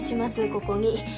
ここに。